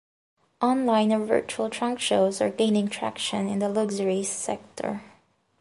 Online or virtual trunk shows are gaining traction in the luxury sector.